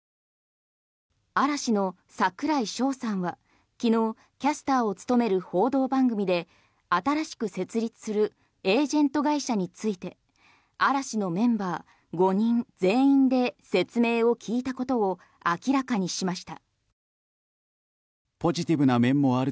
嵐の櫻井翔さんは昨日キャスターを務める報道番組で新しく設立するエージェント会社について嵐のメンバー５人全員で説明を聞いたことを明らかにしました。